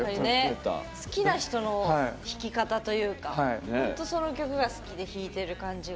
好きな人の弾き方というか本当、その曲が好きで弾いている感じが。